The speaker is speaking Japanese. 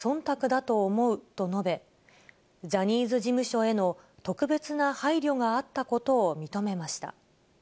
そんたくかと言われれば、それはそんたくだと思うと述べ、ジャニーズ事務所への特別な配慮があったことを認めました。